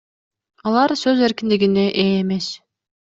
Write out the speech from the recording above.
Алар сөз эркиндигине ээ эмес.